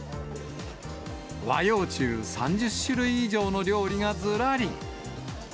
和洋中３０種類以上の料理がずらり。